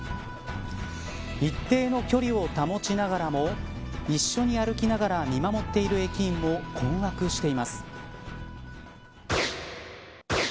一定の距離を保ちながらも一緒に歩きながら見守っている駅員も困惑しています。